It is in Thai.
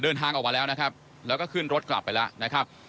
เดินทางออกมาแล้วนะครับแล้วก็ขึ้นรถกลับไปแล้วนะครับ